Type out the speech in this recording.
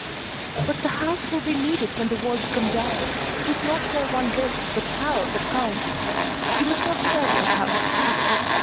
"But the house will be needed when the walls come down! It is not where one lives, but how, that counts. You must not sell your house."